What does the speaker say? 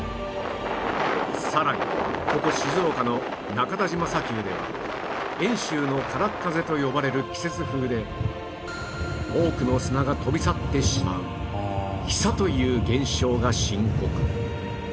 さらにここ静岡の中田島砂丘では遠州のからっ風と呼ばれる季節風で多くの砂が飛び去ってしまう飛砂という減少が深刻